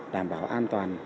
đảm bảo an toàn